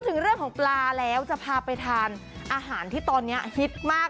ถึงเรื่องของปลาแล้วจะพาไปทานอาหารที่ตอนนี้ฮิตมาก